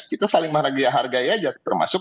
kita saling menghargai aja termasuk